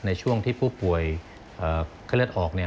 ในช่วงที่ผู้ป่วยไข้เลือดออก